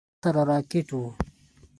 له ما سره راکټ و.